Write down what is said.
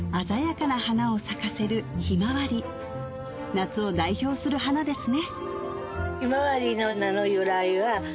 夏を代表する花ですね